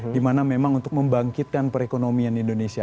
dimana memang untuk membangkitkan perekonomian indonesia